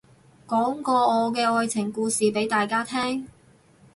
講個我嘅愛情故事俾大家聽